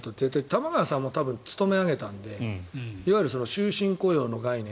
玉川さんも多分勤め上げたのでいわゆる終身雇用の概念